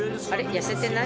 痩せてない？